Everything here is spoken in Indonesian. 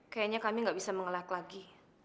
kayaknya kami nggak bisa mengelak lagi